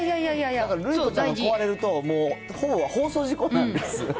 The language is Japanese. だから瑠璃子ちゃんが壊れると、もうほぼ放送事故なんです。